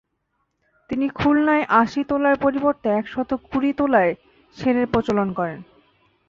তিনি খুলনায় আশি তোলার পরিবর্তে একশত কুড়ি তোলায় সের-এর প্রচলন করেন।